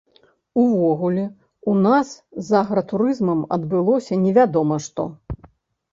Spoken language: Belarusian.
Увогуле, у нас з агратурызмам адбылося невядома што.